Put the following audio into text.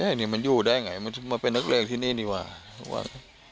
เราก็ว่ามันอยู่แห้งไงเอ่อมันไม่เป็นอักหิวที่นี่สินี่ในว่า